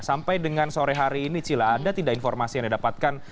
sampai dengan sore hari ini cila ada tidak informasi yang didapatkan